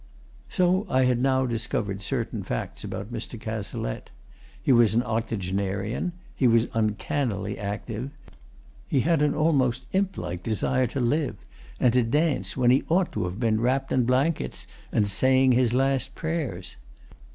So I had now discovered certain facts about Mr. Cazalette. He was an octogenarian. He was uncannily active. He had an almost imp like desire to live and to dance when he ought to have been wrapped in blankets and saying his last prayers.